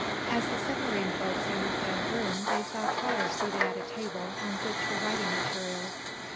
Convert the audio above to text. A the submarine folks entered the room they saw Trotter seated at a table on which were writing materials.